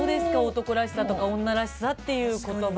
「男らしさ」とか「女らしさ」っていう言葉。